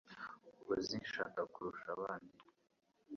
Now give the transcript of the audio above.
Uzi Shaka kurusha abandi.